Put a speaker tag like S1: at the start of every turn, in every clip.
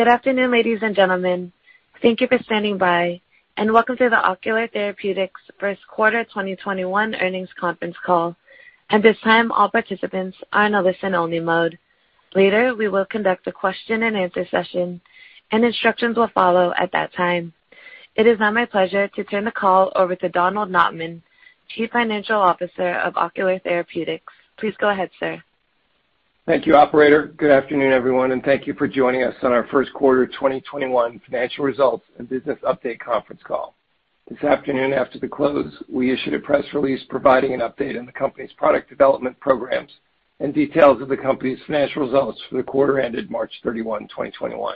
S1: Good afternoon, ladies and gentlemen. Thank you for standing by, and welcome to the Ocular Therapeutix first quarter 2021 earnings conference call. At this time, all participants are in a listen-only mode. Later, we will conduct a question and answer session, and instructions will follow at that time. It is now my pleasure to turn the call over to Donald Notman, Chief Financial Officer of Ocular Therapeutix. Please go ahead, sir.
S2: Thank you, operator. Good afternoon, everyone, thank you for joining us on our first quarter 2021 financial results and business update conference call. This afternoon after the close, we issued a press release providing an update on the company's product development programs and details of the company's financial results for the quarter ended March 31, 2021.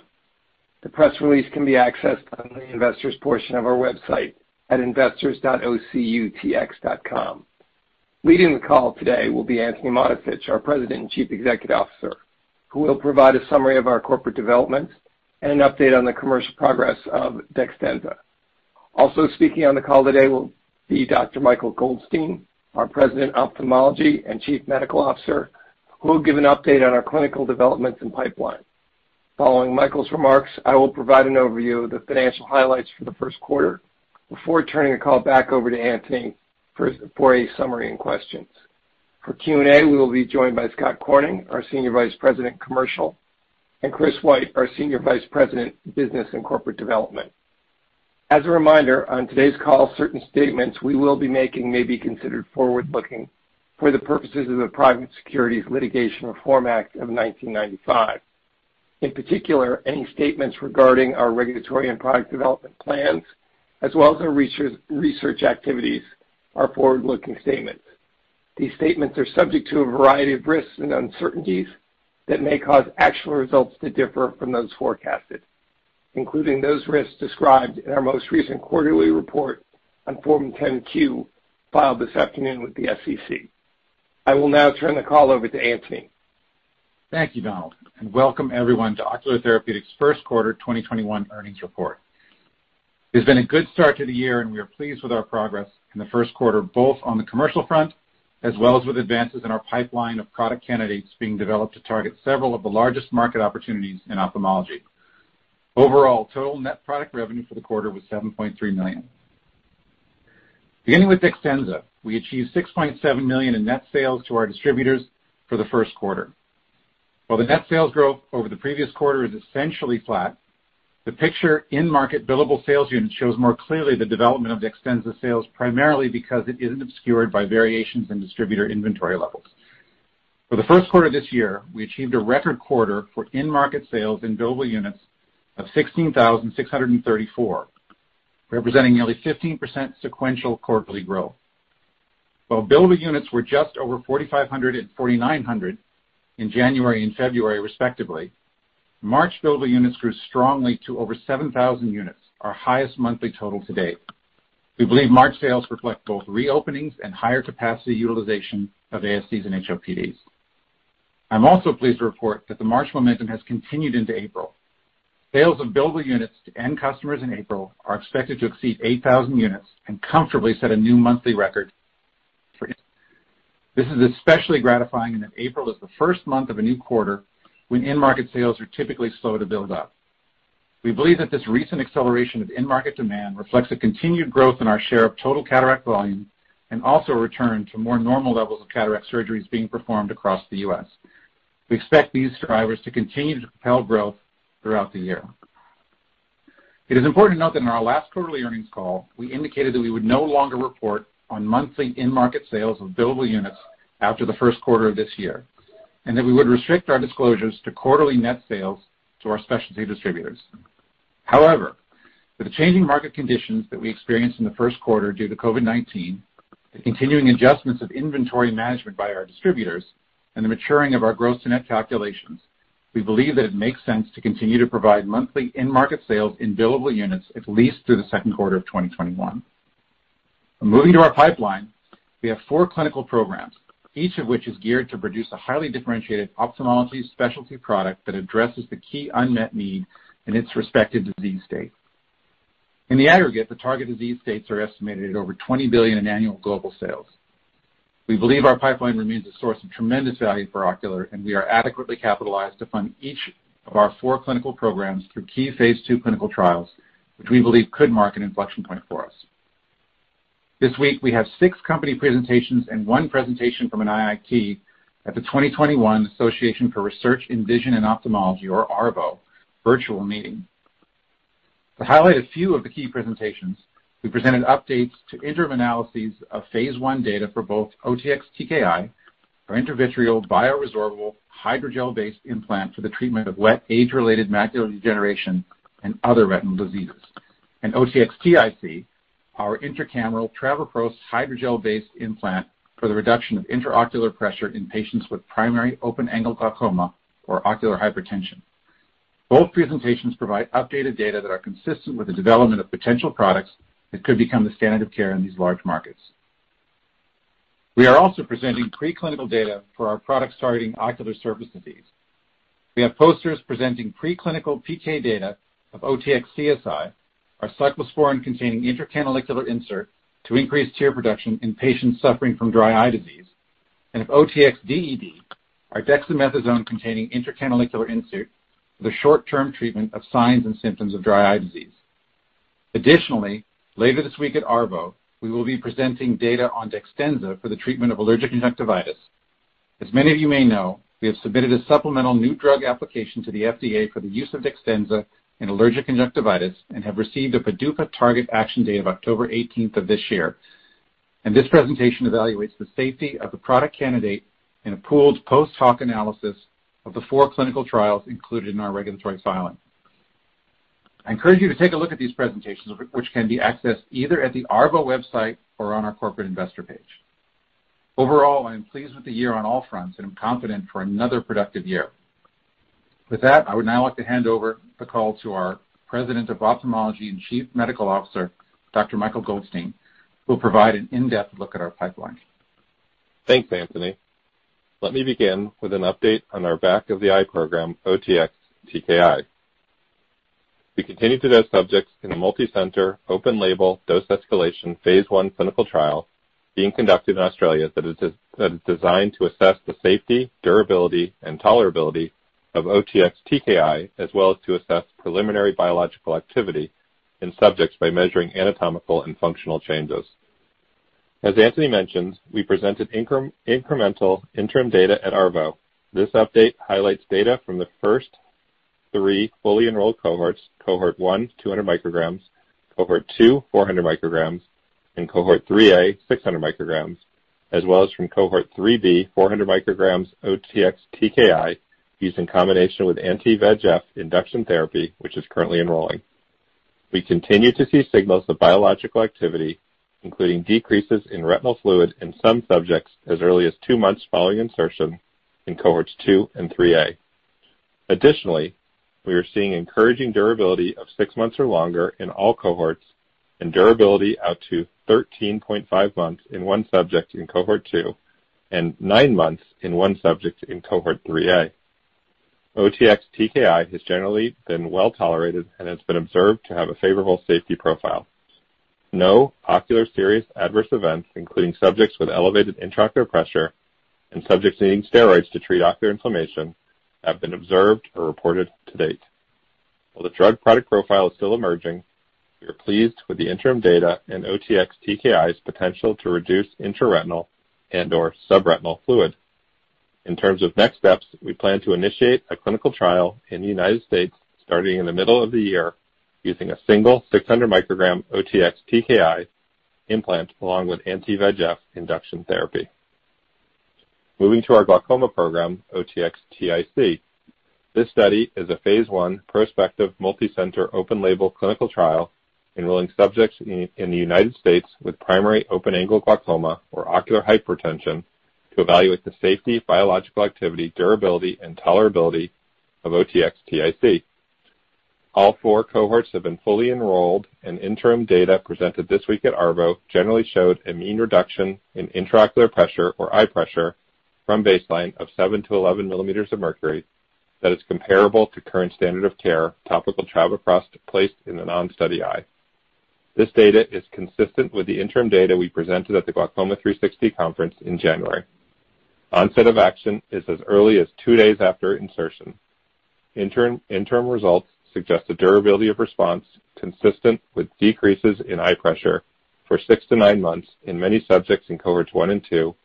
S2: The press release can be accessed on the Investors portion of our website at investors.ocutx.com. Leading the call today will be Antony Mattessich, our President and Chief Executive Officer, who will provide a summary of our corporate developments and an update on the commercial progress of DEXTENZA. Also speaking on the call today will be Dr. Michael Goldstein, our President Ophthalmology and Chief Medical Officer, who will give an update on our clinical developments and pipeline. Following Michael's remarks, I will provide an overview of the financial highlights for the first quarter before turning the call back over to Antony for a summary and questions. For Q&A, we will be joined by Scott Corning, our Senior Vice President, Commercial, and Chris White, our Senior Vice President, Business and Corporate Development. As a reminder, on today's call, certain statements we will be making may be considered forward-looking for the purposes of the Private Securities Litigation Reform Act of 1995. In particular, any statements regarding our regulatory and product development plans, as well as our research activities, are forward-looking statements. These statements are subject to a variety of risks and uncertainties that may cause actual results to differ from those forecasted, including those risks described in our most recent quarterly report on Form 10-Q filed this afternoon with the SEC. I will now turn the call over to Antony.
S3: Thank you, Donald, and welcome everyone to Ocular Therapeutix first quarter 2021 earnings report. It's been a good start to the year, and we are pleased with our progress in the first quarter, both on the commercial front as well as with advances in our pipeline of product candidates being developed to target several of the largest market opportunities in ophthalmology. Overall, total net product revenue for the quarter was $7.3 million. Beginning with DEXTENZA, we achieved $6.7 million in net sales to our distributors for the first quarter. While the net sales growth over the previous quarter is essentially flat, the picture in-market billable sales units shows more clearly the development of DEXTENZA sales, primarily because it isn't obscured by variations in distributor inventory levels. For the first quarter this year, we achieved a record quarter for in-market sales in billable units of 16,634, representing nearly 15% sequential quarterly growth. While billable units were just over 4,500 and 4,900 in January and February respectively, March billable units grew strongly to over 7,000 units, our highest monthly total to date. We believe March sales reflect both reopenings and higher capacity utilization of ASCs and HOPDs. I'm also pleased to report that the March momentum has continued into April. Sales of billable units to end customers in April are expected to exceed 8,000 units and comfortably set a new monthly record for it. This is especially gratifying in that April is the first month of a new quarter when in-market sales are typically slow to build up. We believe that this recent acceleration of in-market demand reflects a continued growth in our share of total cataract volume and also a return to more normal levels of cataract surgeries being performed across the U.S. We expect these drivers to continue to propel growth throughout the year. It is important to note that in our last quarterly earnings call, we indicated that we would no longer report on monthly in-market sales of billable units after the first quarter of this year, and that we would restrict our disclosures to quarterly net sales to our specialty distributors. However, with the changing market conditions that we experienced in the first quarter due to COVID-19, the continuing adjustments of inventory management by our distributors, and the maturing of our gross to net calculations, we believe that it makes sense to continue to provide monthly in-market sales in billable units at least through the second quarter of 2021. Moving to our pipeline, we have four clinical programs, each of which is geared to produce a highly differentiated ophthalmology specialty product that addresses the key unmet need in its respective disease state. In the aggregate, the target disease states are estimated at over $20 billion in annual global sales. We believe our pipeline remains a source of tremendous value for Ocular, and we are adequately capitalized to fund each of our four clinical programs through key phase II clinical trials, which we believe could mark an inflection point for us. This week, we have six company presentations and one presentation from an IIT at the 2021 The Association for Research in Vision and Ophthalmology, or ARVO, virtual meeting. To highlight a few of the key presentations, we presented updates to interim analyses of phase I data for both OTX-TKI, our intravitreal bioresorbable hydrogel-based implant for the treatment of wet age-related macular degeneration and other retinal diseases, and OTX-TIC, our intracameral travoprost hydrogel-based implant for the reduction of intraocular pressure in patients with primary open-angle glaucoma or ocular hypertension. Both presentations provide updated data that are consistent with the development of potential products that could become the standard of care in these large markets. We are also presenting preclinical data for our products targeting ocular surface disease. We have posters presenting preclinical PK data of OTX-CSI, our cyclosporine-containing intracanalicular insert to increase tear production in patients suffering from dry eye disease. OTX-DED, our dexamethasone-containing intracanalicular insert for the short-term treatment of signs and symptoms of dry eye disease. Additionally, later this week at ARVO, we will be presenting data on DEXTENZA for the treatment of allergic conjunctivitis. As many of you may know, we have submitted a supplemental new drug application to the FDA for the use of DEXTENZA in allergic conjunctivitis and have received a PDUFA target action date of October 18th of this year. This presentation evaluates the safety of the product candidate in a pooled post hoc analysis of the four clinical trials included in our regulatory filing. I encourage you to take a look at these presentations, which can be accessed either at the ARVO website or on our corporate investor page. Overall, I am pleased with the year on all fronts, and I'm confident for another productive year. With that, I would now like to hand over the call to our President of Ophthalmology and Chief Medical Officer, Dr. Michael Goldstein, who will provide an in-depth look at our pipeline.
S4: Thanks, Antony. Let me begin with an update on our back of the eye program, OTX-TKI. We continue to dose subjects in a multicenter, open-label, dose escalation phase I clinical trial being conducted in Australia that is designed to assess the safety, durability, and tolerability of OTX-TKI, as well as to assess preliminary biological activity in subjects by measuring anatomical and functional changes. As Antony mentioned, we presented incremental interim data at ARVO. This update highlights data from the first three fully enrolled cohorts. Cohort 1, 200 mcg, cohort 2, 400 mcg, and cohort 3A, 600 mcg, as well as from cohort 3B, 400 mcg OTX-TKI used in combination with anti-VEGF induction therapy, which is currently enrolling. We continue to see signals of biological activity, including decreases in retinal fluid in some subjects as early as two months following insertion in cohorts 2 and 3A. Additionally, we are seeing encouraging durability of six months or longer in all cohorts and durability out to 13.5 months in one subject in cohort 2 and nine months in one subject in cohort 3A. OTX-TKI has generally been well-tolerated and has been observed to have a favorable safety profile. No ocular serious adverse events, including subjects with elevated intraocular pressure and subjects needing steroids to treat ocular inflammation, have been observed or reported to date. While the drug product profile is still emerging, we are pleased with the interim data and OTX-TKI's potential to reduce intraretinal and/or subretinal fluid. In terms of next steps, we plan to initiate a clinical trial in the United States starting in the middle of the year, using a single 600 mcg OTX-TKI implant along with anti-VEGF induction therapy. Moving to our glaucoma program, OTX-TIC. This study is a phase I prospective multicenter open-label clinical trial enrolling subjects in the United States with primary open-angle glaucoma or ocular hypertension to evaluate the safety, biological activity, durability, and tolerability of OTX-TIC. All four cohorts have been fully enrolled, and interim data presented this week at ARVO generally showed a mean reduction in intraocular pressure or eye pressure from baseline of 7 mm-11 mm of mercury that is comparable to current standard of care topical travoprost placed in the non-study eye. This data is consistent with the interim data we presented at the Glaucoma 360 conference in January. Onset of action is as early as two days after insertion. Interim results suggest a durability of response consistent with decreases in eye pressure for six to nine months in many subjects in cohorts one and two,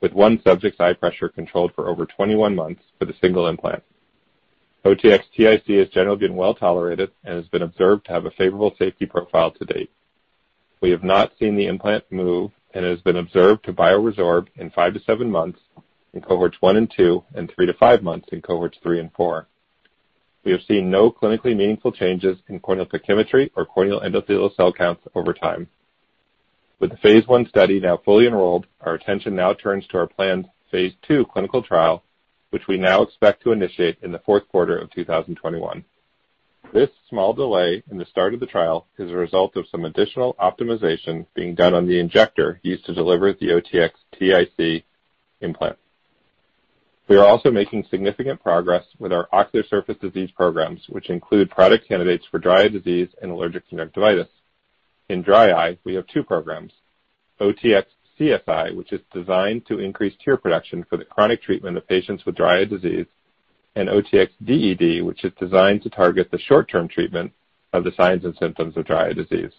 S4: with one subject's eye pressure controlled for over 21 months with a single implant. OTX-TIC has generally been well-tolerated and has been observed to have a favorable safety profile to date. We have not seen the implant move and it has been observed to bioresorb in five to seven months in cohorts one and two and three to five months in cohorts three and four. We have seen no clinically meaningful changes in corneal pachymetry or corneal endothelial cell counts over time. With the phase I study now fully enrolled, our attention now turns to our planned phase II clinical trial, which we now expect to initiate in the fourth quarter of 2021. This small delay in the start of the trial is a result of some additional optimization being done on the injector used to deliver the OTX-TIC implant. We are also making significant progress with our ocular surface disease programs, which include product candidates for dry eye disease and allergic conjunctivitis. In dry eye, we have two programs, OTX-CSI, which is designed to increase tear production for the chronic treatment of patients with dry eye disease, and OTX-DED, which is designed to target the short-term treatment of the signs and symptoms of dry eye disease.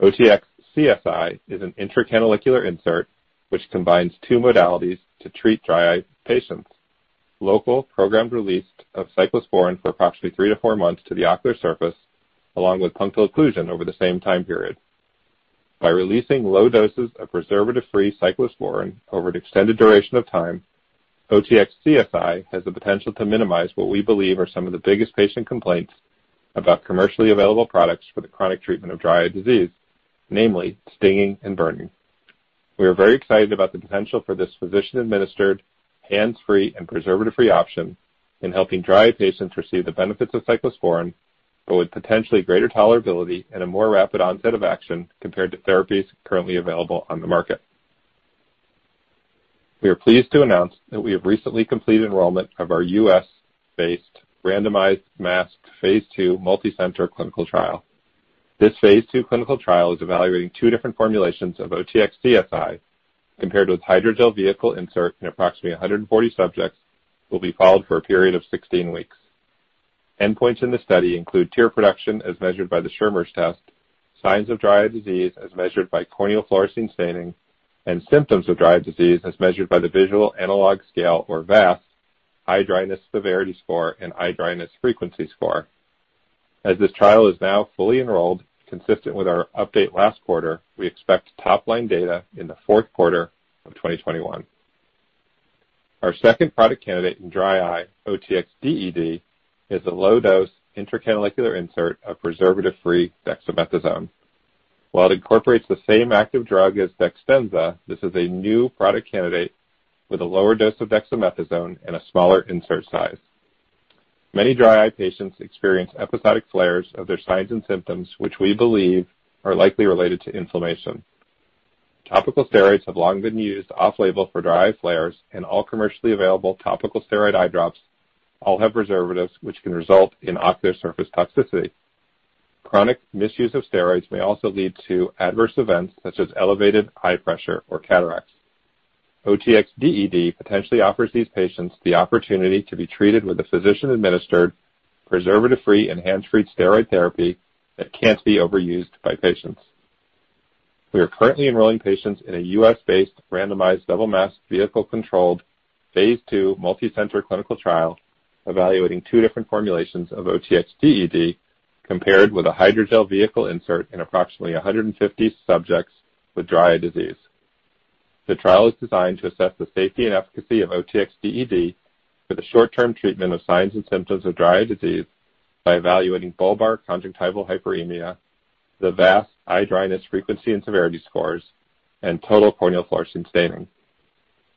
S4: OTX-CSI is an intracanalicular insert which combines two modalities to treat dry eye patients. Local programmed release of cyclosporine for approximately three to four months to the ocular surface, along with punctal occlusion over the same time period. By releasing low doses of preservative-free cyclosporine over an extended duration of time, OTX-CSI has the potential to minimize what we believe are some of the biggest patient complaints about commercially available products for the chronic treatment of dry eye disease, namely stinging and burning. We are very excited about the potential for this physician-administered, hands-free, and preservative-free option in helping dry eye patients receive the benefits of cyclosporine, but with potentially greater tolerability and a more rapid onset of action compared to therapies currently available on the market. We are pleased to announce that we have recently completed enrollment of our U.S.-based randomized masked phase II multicenter clinical trial. This phase II clinical trial is evaluating two different formulations of OTX-CSI compared with hydrogel vehicle insert in approximately 140 subjects who will be followed for a period of 16 weeks. Endpoints in the study include tear production as measured by the Schirmer's test, signs of dry eye disease as measured by corneal fluorescein staining, and symptoms of dry eye disease as measured by the Visual Analog Scale, or VAS, eye dryness severity score, and eye dryness frequency score. As this trial is now fully enrolled, consistent with our update last quarter, we expect top-line data in the fourth quarter of 2021. Our second product candidate in dry eye, OTX-DED, is a low-dose, intracanalicular insert of preservative-free dexamethasone. While it incorporates the same active drug as DEXTENZA, this is a new product candidate with a lower dose of dexamethasone and a smaller insert size. Many dry eye patients experience episodic flares of their signs and symptoms, which we believe are likely related to inflammation. Topical steroids have long been used off-label for dry eye flares, and all commercially available topical steroid eye drops all have preservatives, which can result in ocular surface toxicity. Chronic misuse of steroids may also lead to adverse events such as elevated eye pressure or cataracts. OTX-DED potentially offers these patients the opportunity to be treated with a physician-administered, preservative-free and hands-free steroid therapy that can't be overused by patients. We are currently enrolling patients in a U.S.-based, randomized, double-masked, vehicle-controlled, phase II multi-center clinical trial evaluating two different formulations of OTX-DED compared with a hydrogel vehicle insert in approximately 150 subjects with dry eye disease. The trial is designed to assess the safety and efficacy of OTX-DED for the short-term treatment of signs and symptoms of dry eye disease by evaluating bulbar conjunctival hyperemia, the VAS eye dryness frequency and severity scores, and total corneal fluorescein staining.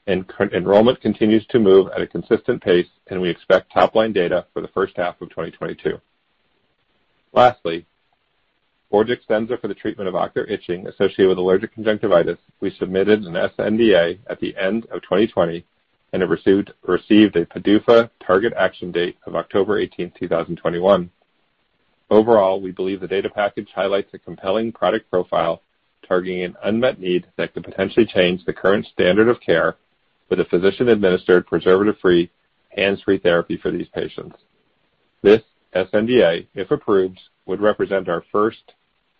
S4: Enrollment continues to move at a consistent pace, and we expect top-line data for the first half of 2022. Lastly, for DEXTENZA for the treatment of ocular itching associated with allergic conjunctivitis, we submitted an sNDA at the end of 2020, and it received a PDUFA target action date of October 18th 2021. Overall, we believe the data package highlights a compelling product profile targeting an unmet need that could potentially change the current standard of care with a physician-administered, preservative-free, hands-free therapy for these patients.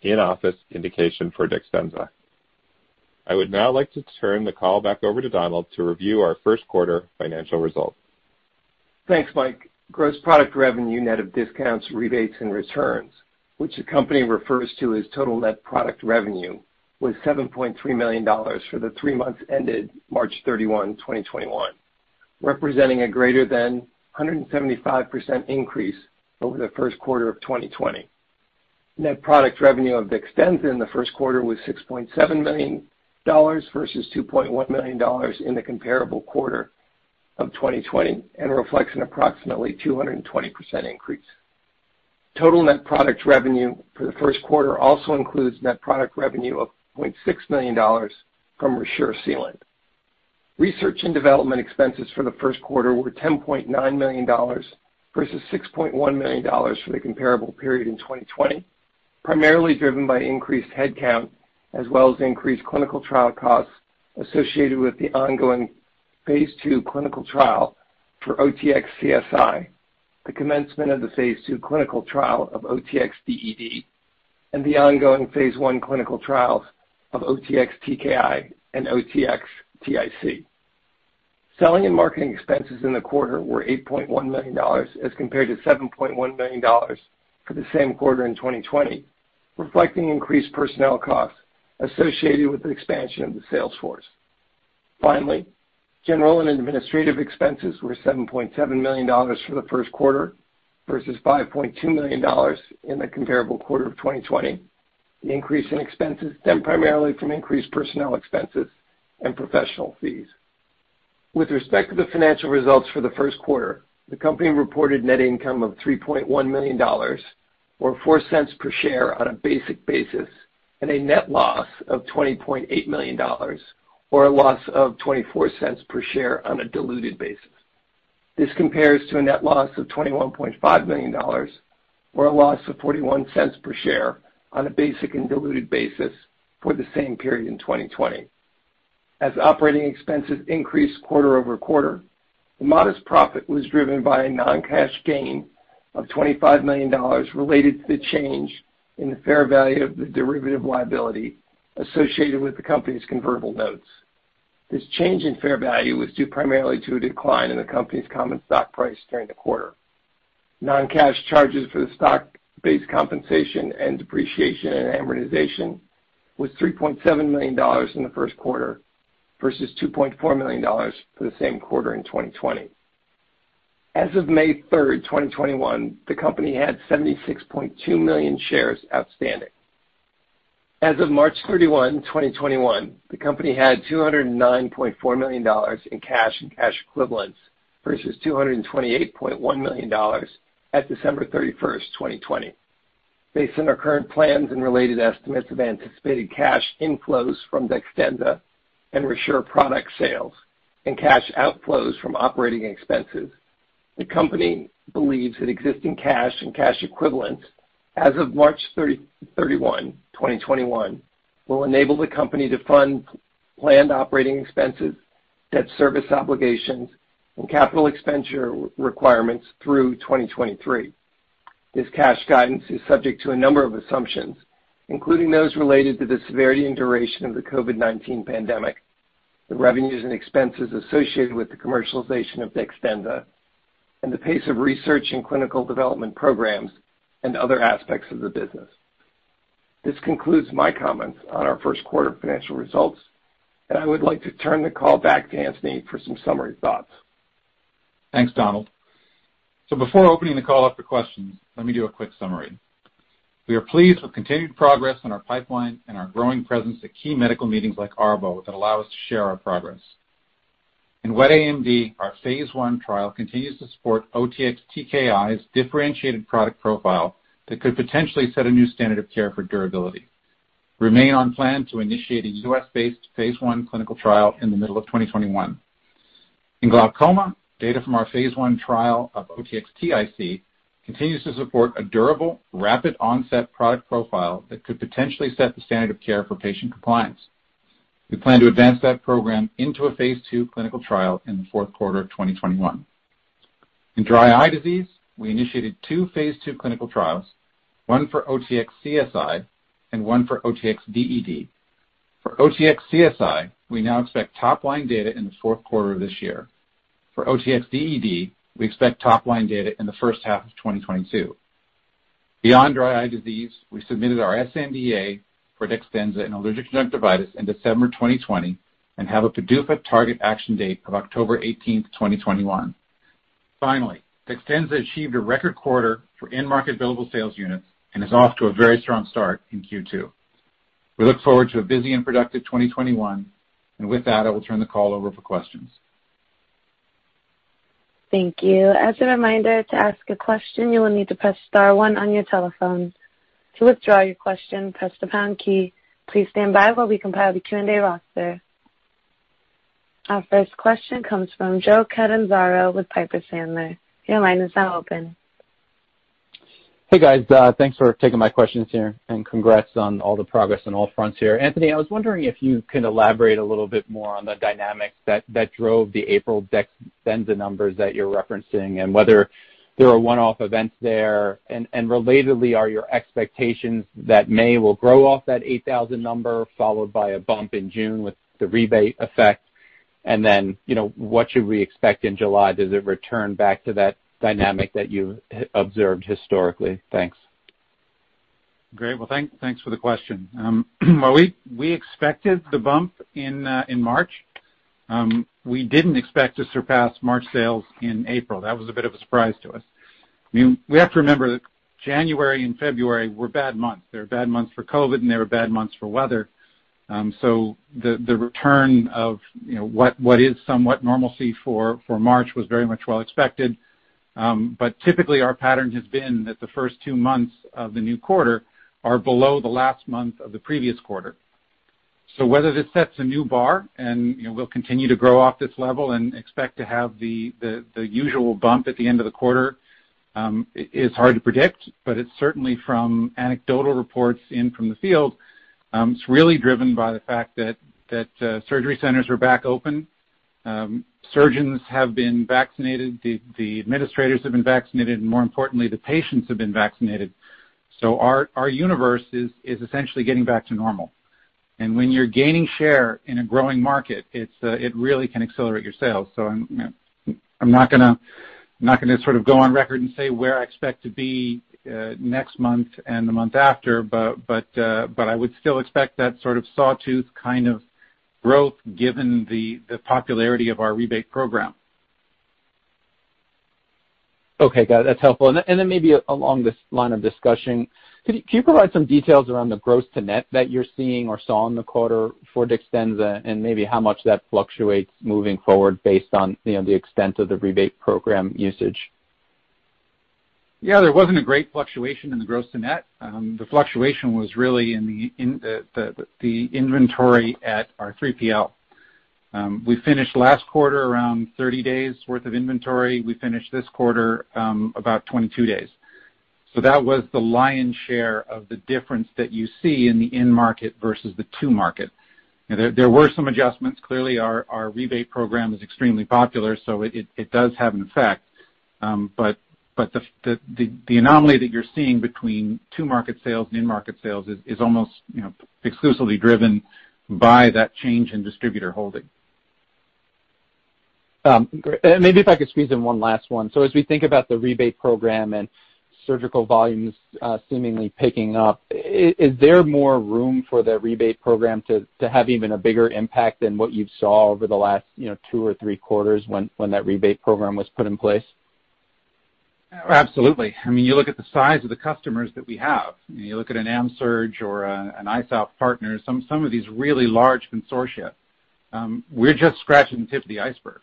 S4: This sNDA, if approved, would represent our first in-office indication for DEXTENZA. I would now like to turn the call back over to Donald to review our first quarter financial results.
S2: Thanks, Mike. Gross product revenue net of discounts, rebates, and returns, which the company refers to as total net product revenue, was $7.3 million for the three months ended March 31, 2021, representing a greater than 175% increase over the first quarter of 2020. Net product revenue of DEXTENZA in the first quarter was $6.7 million versus $2.1 million in the comparable quarter of 2020 and reflects an approximately 220% increase. Total net product revenue for the first quarter also includes net product revenue of $0.6 million from ReSure Sealant. Research and development expenses for the first quarter were $10.9 million versus $6.1 million for the comparable period in 2020, primarily driven by increased headcount as well as increased clinical trial costs associated with the ongoing phase II clinical trial for OTX-CSI, the commencement of the phase II clinical trial of OTX-DED, and the ongoing phase I clinical trials of OTX-TKI and OTX-TIC. Selling and marketing expenses in the quarter were $8.1 million as compared to $7.1 million for the same quarter in 2020, reflecting increased personnel costs associated with the expansion of the sales force. General and administrative expenses were $7.7 million for the first quarter versus $5.2 million in the comparable quarter of 2020. The increase in expenses stemmed primarily from increased personnel expenses and professional fees. With respect to the financial results for the first quarter, the company reported net income of $3.1 million, or $0.04 per share on a basic basis, and a net loss of $20.8 million or a loss of $0.24 per share on a diluted basis. This compares to a net loss of $21.5 million, or a loss of $0.41 per share on a basic and diluted basis for the same period in 2020. As operating expenses increased quarter-over-quarter, the modest profit was driven by a non-cash gain of $25 million related to the change in the fair value of the derivative liability associated with the company's convertible notes. This change in fair value was due primarily to a decline in the company's common stock price during the quarter. Non-cash charges for the stock-based compensation and depreciation and amortization was $3.7 million in the first quarter versus $2.4 million for the same quarter in 2020. As of May 3, 2021, the company had 76.2 million shares outstanding. As of March 31, 2021, the company had $209.4 million in cash and cash equivalents versus $228.1 million at December 31, 2020. Based on our current plans and related estimates of anticipated cash inflows from DEXTENZA and ReSure product sales and cash outflows from operating expenses. The company believes that existing cash and cash equivalents as of March 31, 2021, will enable the company to fund planned operating expenses, debt service obligations, and capital expenditure requirements through 2023. This cash guidance is subject to a number of assumptions, including those related to the severity and duration of the COVID-19 pandemic, the revenues and expenses associated with the commercialization of DEXTENZA, and the pace of research and clinical development programs and other aspects of the business. This concludes my comments on our first quarter financial results. I would like to turn the call back to Antony for some summary thoughts.
S3: Thanks, Donald. Before opening the call up for questions, let me do a quick summary. We are pleased with continued progress on our pipeline and our growing presence at key medical meetings like ARVO that allow us to share our progress. In wet AMD, our Phase I trial continues to support OTX-TKI's differentiated product profile that could potentially set a new standard of care for durability. Remain on plan to initiate a U.S.-based Phase I clinical trial in the middle of 2021. In glaucoma, data from our Phase I trial of OTX-TIC continues to support a durable, rapid onset product profile that could potentially set the standard of care for patient compliance. We plan to advance that program into a Phase II clinical trial in the fourth quarter of 2021. In dry eye disease, we initiated two Phase II clinical trials, one for OTX-CSI and one for OTX-DED. For OTX-CSI, we now expect top-line data in the fourth quarter of this year. For OTX-DED, we expect top-line data in the first half of 2022. Beyond dry eye disease, we submitted our sNDA for DEXTENZA in allergic conjunctivitis in December 2020 and have a PDUFA target action date of October 18th, 2021. Finally, DEXTENZA achieved a record quarter for in-market billable sales units and is off to a very strong start in Q2. We look forward to a busy and productive 2021. With that, I will turn the call over for questions.
S1: Thank you. As a reminder, to ask a question, you will need to press star one on your telephone. To withdraw your question, press the pound key. Please stand by while we compile the Q&A roster. Our first question comes from Joseph Catanzaro with Piper Sandler. Your line is now open.
S5: Hey, guys. Thanks for taking my questions here, and congrats on all the progress on all fronts here. Antony, I was wondering if you can elaborate a little bit more on the dynamics that drove the April DEXTENZA numbers that you're referencing and whether there are one-off events there. Relatedly, are your expectations that May will grow off that 8,000 number followed by a bump in June with the rebate effect? Then, what should we expect in July? Does it return back to that dynamic that you observed historically? Thanks.
S3: Great. Thanks for the question. We expected the bump in March. We didn't expect to surpass March sales in April. That was a bit of a surprise to us. We have to remember that January and February were bad months. They were bad months for COVID-19, and they were bad months for weather. The return of what is somewhat normalcy for March was very much well expected. Typically, our pattern has been that the first two months of the new quarter are below the last month of the previous quarter. Whether this sets a new bar and will continue to grow off this level and expect to have the usual bump at the end of the quarter, is hard to predict, but it's certainly from anecdotal reports in from the field. It's really driven by the fact that surgery centers are back open. Surgeons have been vaccinated. The administrators have been vaccinated, and more importantly, the patients have been vaccinated. Our universe is essentially getting back to normal. When you're gaining share in a growing market, it really can accelerate your sales. I'm not going to sort of go on record and say where I expect to be next month and the month after, but I would still expect that sort of sawtooth kind of growth given the popularity of our rebate program.
S5: Okay, got it. That's helpful. Maybe along this line of discussion, could you provide some details around the gross to net that you're seeing or saw in the quarter for DEXTENZA and maybe how much that fluctuates moving forward based on the extent of the rebate program usage?
S3: There wasn't a great fluctuation in the gross to net. The fluctuation was really in the inventory at our 3PL. We finished last quarter around 30 days worth of inventory. We finished this quarter about 22 days. That was the lion's share of the difference that you see in the in-market versus the to-market. There were some adjustments. Clearly, our rebate program is extremely popular, so it does have an effect. The anomaly that you're seeing between to-market sales and in-market sales is almost exclusively driven by that change in distributor holding.
S5: Great. Maybe if I could squeeze in one last one. As we think about the rebate program and surgical volumes seemingly picking up, is there more room for the rebate program to have even a bigger impact than what you've saw over the last two or three quarters when that rebate program was put in place?
S3: Absolutely. You look at the size of the customers that we have. You look at an AMSURG or an USPI partner, some of these really large consortia. We're just scratching the tip of the iceberg.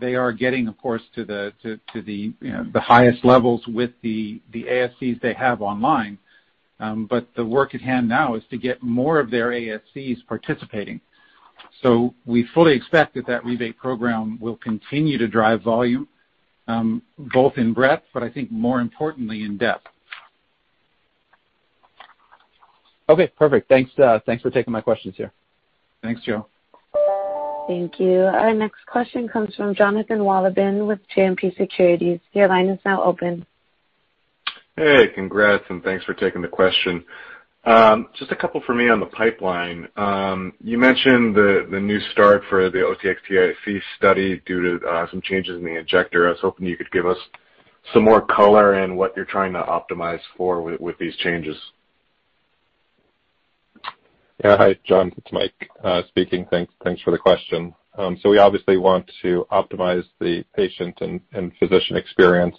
S3: They are getting, of course, to the highest levels with the ASCs they have online. The work at hand now is to get more of their ASCs participating. We fully expect that that rebate program will continue to drive volume, both in breadth, but I think more importantly in depth.
S5: Okay, perfect. Thanks for taking my questions here.
S3: Thanks, Joe.
S1: Thank you. Our next question comes from Jonathan Wolleben with JMP Securities. Your line is now open.
S6: Hey, congrats and thanks for taking the question. Just a couple for me on the pipeline. You mentioned the new start for the OTX-TIC study due to some changes in the injector. I was hoping you could give us some more color in what you're trying to optimize for with these changes?
S4: Yeah. Hi, John, it's Mike speaking. Thanks for the question. We obviously want to optimize the patient and physician experience.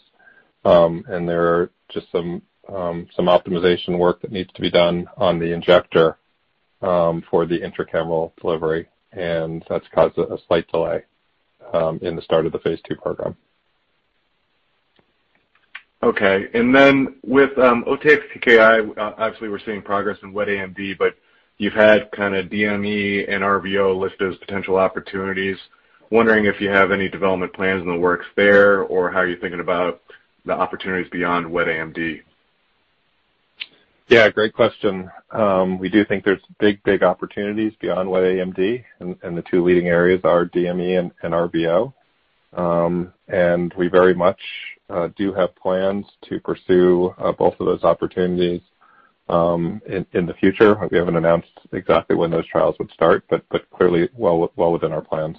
S4: There are just some optimization work that needs to be done on the injector, for the intracameral delivery, and that's caused a slight delay in the start of the phase II program.
S6: Okay. With OTX-TKI, obviously we're seeing progress in wet AMD, you've had kind of DME and RVO listed as potential opportunities. Wondering if you have any development plans in the works there, or how you're thinking about the opportunities beyond wet AMD?
S4: Yeah, great question. We do think there's big opportunities beyond wet AMD, and the two leading areas are DME and RVO. We very much do have plans to pursue both of those opportunities in the future. We haven't announced exactly when those trials would start, but clearly well within our plans.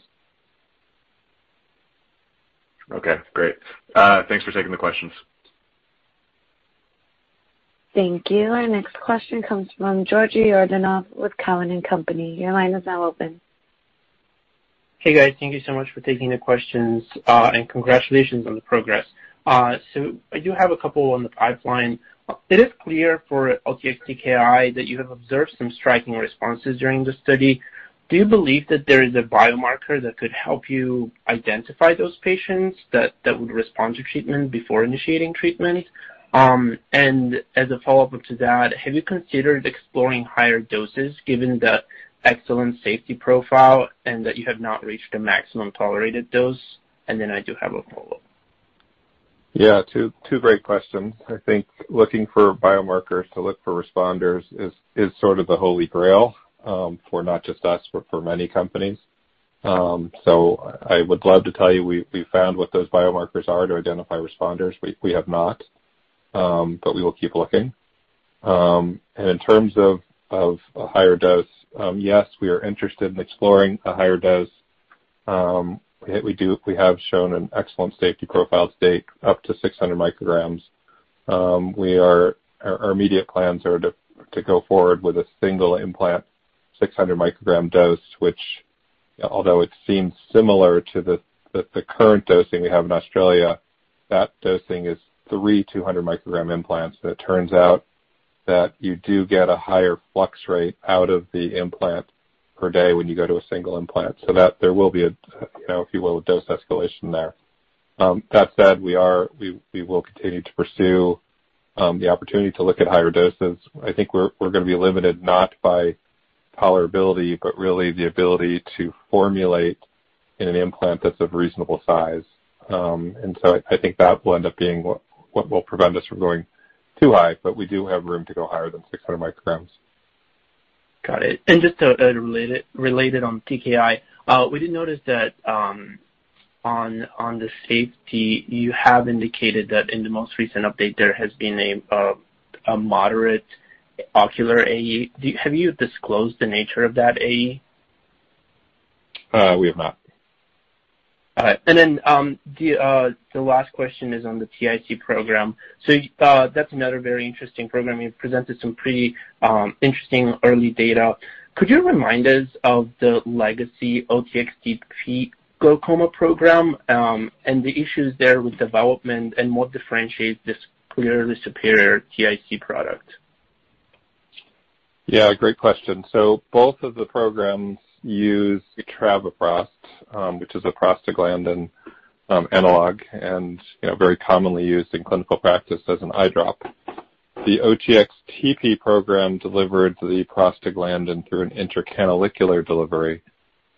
S6: Okay, great. Thanks for taking the questions.
S1: Thank you. Our next question comes from Georgi Yordanov with Cowen and Company. Your line is now open.
S7: Hey, guys. Thank you so much for taking the questions, and congratulations on the progress. I do have a couple on the pipeline. It is clear for OTX-TKI that you have observed some striking responses during the study. Do you believe that there is a biomarker that could help you identify those patients that would respond to treatment before initiating treatment? As a follow-up to that, have you considered exploring higher doses given the excellent safety profile and that you have not reached a maximum tolerated dose? I do have a follow-up.
S4: Yeah, two great questions. I think looking for biomarkers to look for responders is sort of the holy grail, for not just us, but for many companies. I would love to tell you we found what those biomarkers are to identify responders. We have not, but we will keep looking. In terms of a higher dose, yes, we are interested in exploring a higher dose. We have shown an excellent safety profile to date up to 600 mcg. Our immediate plans are to go forward with a single implant, 600 mcg dose, which although it seems similar to the current dosing we have in Australia, that dosing is three 200 mcg implants. It turns out that you do get a higher flux rate out of the implant per day when you go to a single implant. There will be a, if you will, dose escalation there. That said, we will continue to pursue the opportunity to look at higher doses. I think we're going to be limited not by tolerability, but really the ability to formulate in an implant that's of reasonable size. I think that will end up being what will prevent us from going too high. We do have room to go higher than 600 mcg.
S7: Got it. Just related on TKI, we did notice that on the safety, you have indicated that in the most recent update, there has been a moderate ocular AE. Have you disclosed the nature of that AE?
S4: We have not.
S7: All right. The last question is on the TIC program. That's another very interesting program. You've presented some pretty interesting early data. Could you remind us of the legacy OTX-TP glaucoma program, and the issues there with development, and what differentiates this clearly superior TIC product?
S4: Yeah, great question. Both of the programs use travoprost, which is a prostaglandin analog and very commonly used in clinical practice as an eye drop. The OTX-TP program delivered the prostaglandin through an intracanalicular delivery,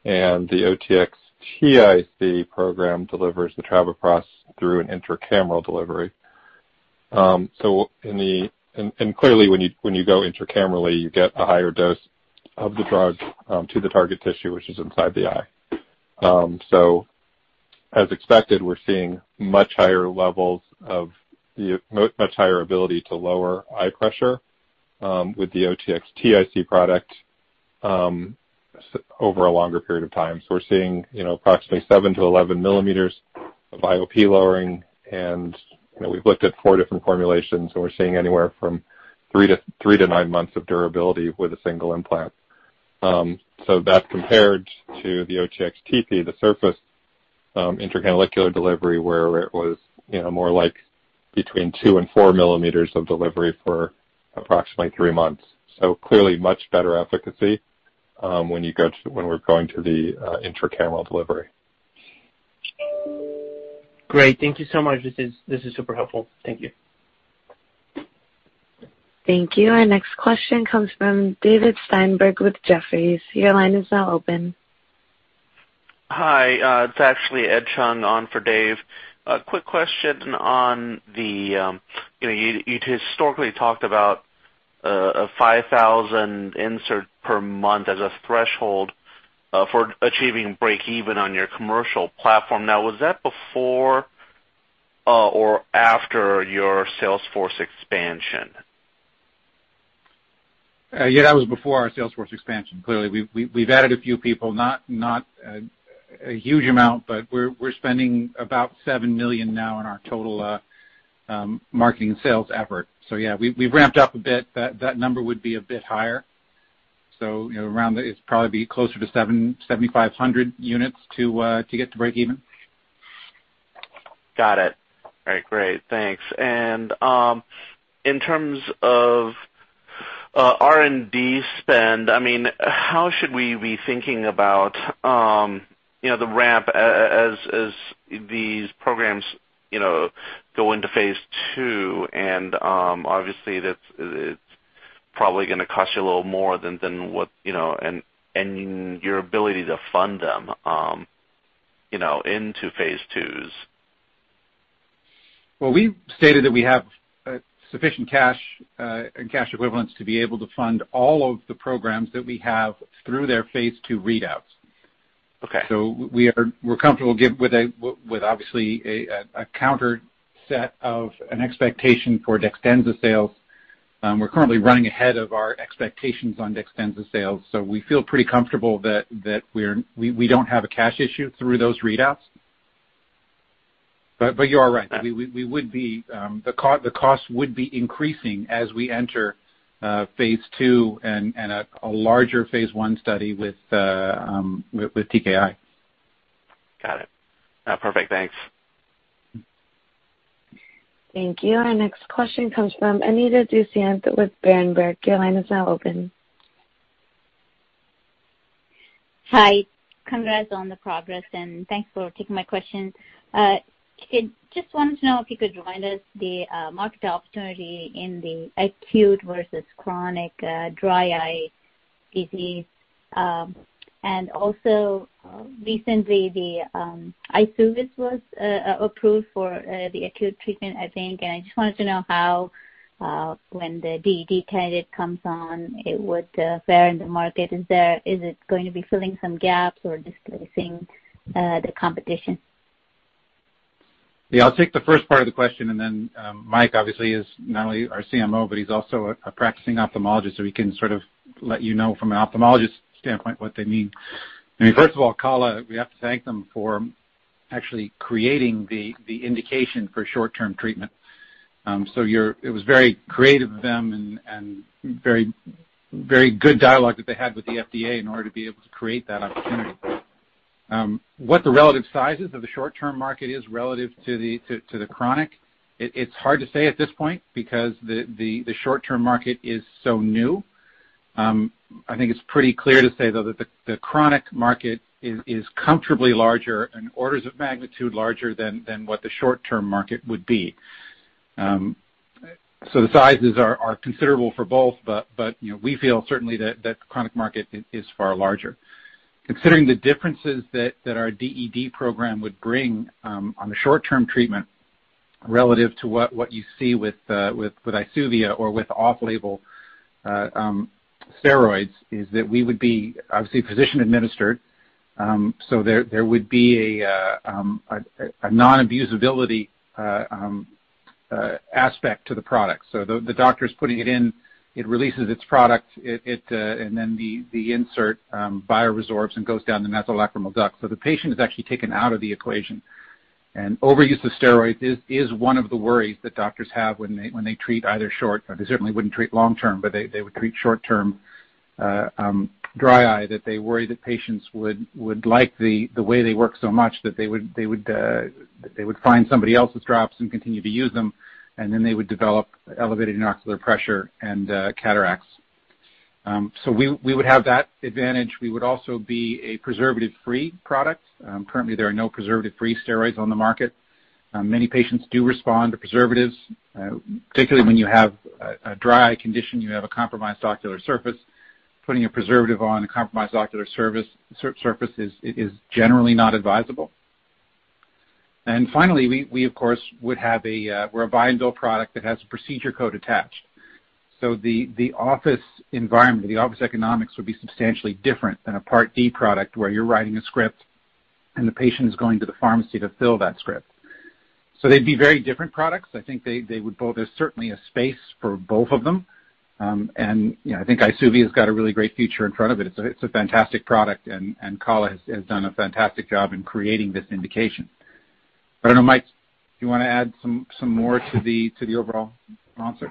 S4: and the OTX-TIC program delivers the travoprost through an intracameral delivery. Clearly when you go intracamerally, you get a higher dose of the drug to the target tissue, which is inside the eye. As expected, we're seeing much higher ability to lower eye pressure, with the OTX-TIC product, over a longer period of time. We're seeing approximately 7 mm-11 mm of IOP lowering and we've looked at four different formulations, and we're seeing anywhere from three to nine months of durability with a single implant. That compared to the OTX-TP, the surface intracanalicular delivery, where it was more like between 2 mm and 4 mm of delivery for approximately three months. Clearly much better efficacy, when we're going to the intracameral delivery.
S7: Great. Thank you so much. This is super helpful. Thank you.
S1: Thank you. Our next question comes from David Steinberg with Jefferies. Your line is now open.
S8: Hi. It's actually Edward Chung on for Dave. A quick question, you historically talked about 5,000 inserts per month as a threshold for achieving breakeven on your commercial platform. Was that before or after your sales force expansion?
S3: Yeah, that was before our sales force expansion. Clearly, we've added a few people, not a huge amount, but we're spending about $7 million now on our total marketing sales effort. Yeah, we've ramped up a bit. That number would be a bit higher. It's probably closer to 7,500 units to get to breakeven.
S8: Got it. All right, great. Thanks. In terms of R&D spend, how should we be thinking about the ramp as these programs go into phase II and obviously, it's probably going to cost you a little more and your ability to fund them into phase IIs?
S3: Well, we've stated that we have sufficient cash and cash equivalents to be able to fund all of the programs that we have through their phase II readouts. We're comfortable with, obviously, a counter set of an expectation for DEXTENZA sales. We're currently running ahead of our expectations on DEXTENZA sales, so we feel pretty comfortable that we don't have a cash issue through those readouts. You are right. The cost would be increasing as we enter phase II and a larger phase I study with TKI.
S8: Got it. Perfect. Thanks.
S1: Thank you. Our next question comes from Anita Dushyanth with Berenberg. Your line is now open.
S9: Hi. Congrats on the progress, and thanks for taking my question. Just wanted to know if you could remind us the market opportunity in the acute versus chronic dry eye disease. Also, recently, the EYSUVIS was approved for the acute treatment, I think. I just wanted to know how, when the DED candidate comes on, it would fare in the market. Is it going to be filling some gaps or displacing the competition?
S3: Yeah, I'll take the first part of the question, and then Mike, obviously, is not only our CMO, but he's also a practicing ophthalmologist, so he can sort of let you know from an ophthalmologist standpoint what they mean. I mean, first of all, Kala, we have to thank them for actually creating the indication for short-term treatment. It was very creative of them and very good dialogue that they had with the FDA in order to be able to create that opportunity. What the relative sizes of the short-term market is relative to the chronic, it's hard to say at this point because the short-term market is so new. I think it's pretty clear to say, though, that the chronic market is comfortably larger and orders of magnitude larger than what the short-term market would be. The sizes are considerable for both, but we feel certainly that chronic market is far larger. Considering the differences that our DED program would bring on the short-term treatment relative to what you see with EYSUVIS or with off-label steroids, is that we would be obviously physician-administered, so there would be a non-abusability aspect to the product. The doctor's putting it in, it releases its product, and then the insert bio resorbs and goes down the nasolacrimal duct. The patient is actually taken out of the equation. Overuse of steroids is one of the worries that doctors have when they treat either short, they certainly wouldn't treat long-term, but they would treat short-term dry eye, that they worry that patients would like the way they work so much that they would find somebody else's drops and continue to use them, and then they would develop elevated intraocular pressure and cataracts. We would have that advantage. We would also be a preservative-free product. Currently, there are no preservative-free steroids on the market. Many patients do respond to preservatives. Particularly when you have a dry eye condition, you have a compromised ocular surface. Putting a preservative on a compromised ocular surface is generally not advisable. Finally, we're a buy and bill product that has a procedure code attached. The office environment, the office economics, would be substantially different than a Part D product where you're writing a script and the patient is going to the pharmacy to fill that script. They'd be very different products. There's certainly a space for both of them. I think EYSUVIS's got a really great future in front of it. It's a fantastic product, and Kala has done a fantastic job in creating this indication. I don't know, Mike, do you want to add some more to the overall answer?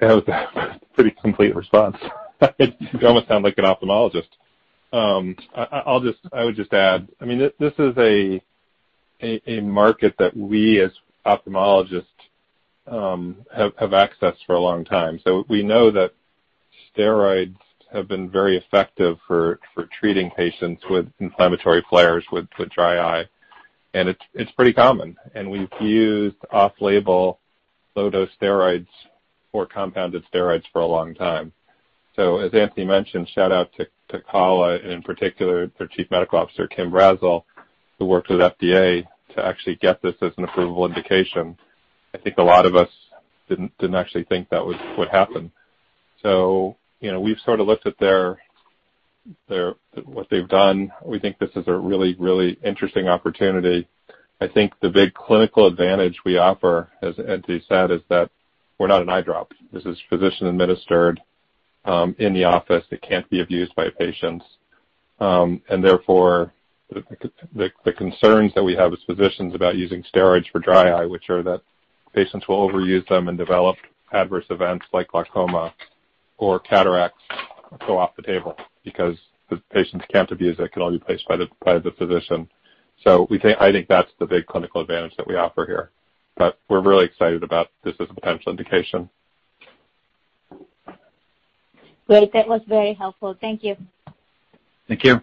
S4: That was a pretty complete response. You almost sound like an ophthalmologist. I would just add, this is a market that we, as ophthalmologists, have accessed for a long time. We know that steroids have been very effective for treating patients with inflammatory flares with dry eye, and it's pretty common. We've used off-label low-dose steroids or compounded steroids for a long time. As Antony mentioned, shout out to Kala, and in particular, their Chief Medical Officer, Kim Brazzell, who worked with FDA to actually get this as an approval indication. I think a lot of us didn't actually think that would happen. We've sort of looked at what they've done. We think this is a really interesting opportunity. I think the big clinical advantage we offer, as Antony said, is that we're not an eye drop. This is physician-administered in the office. It can't be abused by patients. Therefore, the concerns that we have as physicians about using steroids for dry eye, which are that patients will overuse them and develop adverse events like glaucoma or cataracts, go off the table because the patients can't abuse it. It can only be placed by the physician. I think that's the big clinical advantage that we offer here, but we're really excited about this as a potential indication.
S9: Great. That was very helpful. Thank you.
S3: Thank you.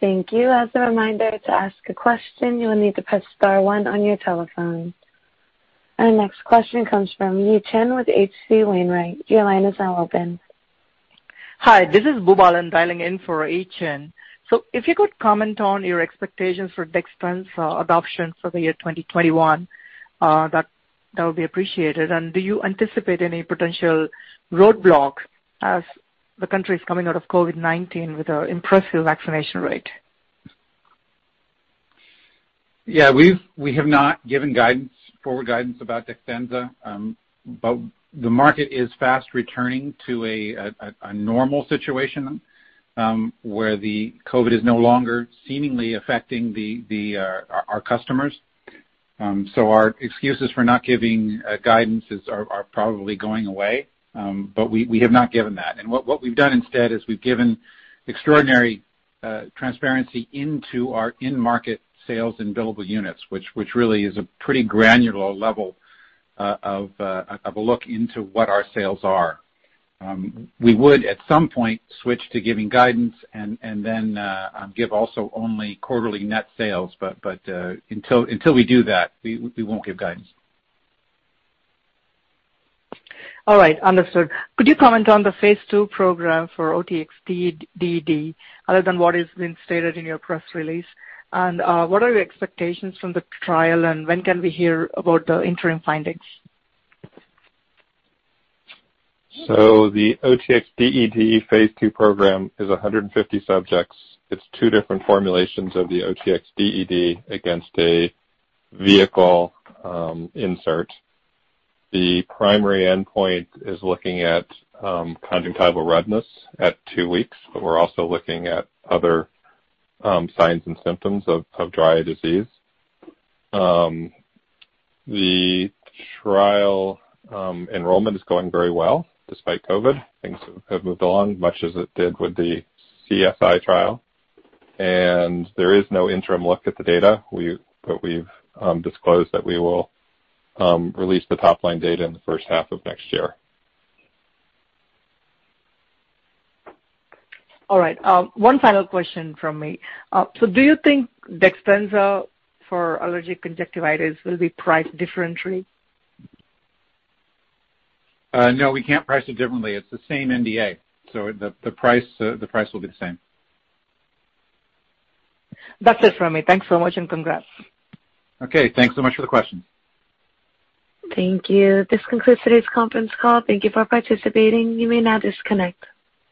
S1: Thank you. As a reminder, to ask a question, you will need to press star one on your telephone. Our next question comes from Yi Chen with H.C. Wainwright. Your line is now open.
S10: Hi, this is Bubalan dialing in for Yi Chen. If you could comment on your expectations for DEXTENZA adoption for the year 2021, that would be appreciated. Do you anticipate any potential roadblock as the country is coming out of COVID-19 with an impressive vaccination rate?
S3: Yeah, we have not given forward guidance about DEXTENZA. The market is fast returning to a normal situation, where the COVID-19 is no longer seemingly affecting our customers. Our excuses for not giving guidances are probably going away. We have not given that. What we've done instead is we've given extraordinary transparency into our in-market sales and billable units, which really is a pretty granular level of a look into what our sales are. We would, at some point, switch to giving guidance and then give also only quarterly net sales, but until we do that, we won't give guidance.
S10: All right. Understood. Could you comment on the phase II program for OTX-DED, other than what has been stated in your press release? What are your expectations from the trial, and when can we hear about the interim findings?
S4: The OTX-DED phase II program is 150 subjects. It's two different formulations of the OTX-DED against a vehicle insert. The primary endpoint is looking at conjunctival redness at two weeks, but we're also looking at other signs and symptoms of dry eye disease. The trial enrollment is going very well despite COVID. Things have moved along much as it did with the CSI trial. There is no interim look at the data, but we've disclosed that we will release the top-line data in the first half of next year.
S10: All right. One final question from me. Do you think DEXTENZA for allergic conjunctivitis will be priced differently?
S3: No, we can't price it differently. It's the same NDA, so the price will be the same.
S10: That's it from me. Thanks so much, and congrats.
S3: Okay. Thanks so much for the questions.
S1: Thank you. This concludes today's conference call. Thank you for participating. You may now disconnect.